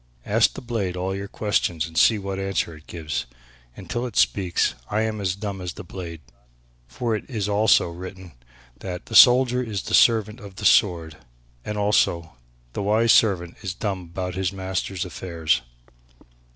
Ask the blade all your questions and see what answer it gives. Until it speaks I am as dumb as the blade, for it is also written that 'the soldier is the servant of his sword,' and also, 'the wise servant is dumb about his master's affairs.'"